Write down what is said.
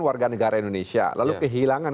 warga negara indonesia lalu kehilangan